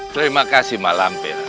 terima kasih mak lampir